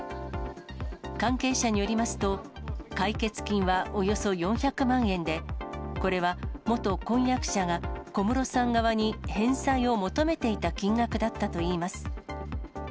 関係者によりますと、解決金はおよそ４００万円で、これは元婚約者が小室さん側に返済を求めていた金額だったといいます。